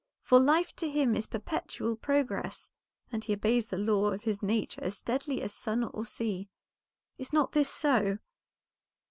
For life to him is perpetual progress, and he obeys the law of his nature as steadily as sun or sea. Is not this so?"